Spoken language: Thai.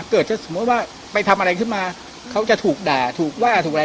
เกิดถ้าสมมุติว่าไปทำอะไรขึ้นมาเขาจะถูกด่าถูกว่าถูกอะไร